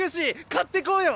買っていこうよ！